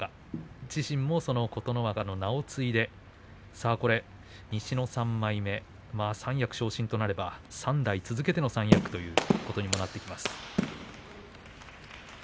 自身も琴ノ若の名を継いでさあ、これ西の３枚目、三役昇進となれば３代続けての三役ということにもなってきます。